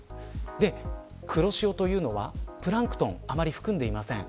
黒潮というのはプランクトンをあまり含んでいません。